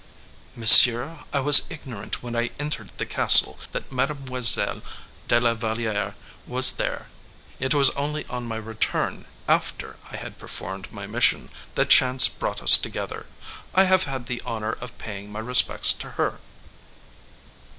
"Monsieur, I was ignorant, when I entered the castle, that Mademoiselle de la Valliere was there; it was only on my return, after I had performed my mission, that chance brought us together. I have had the honor of paying my respects to her."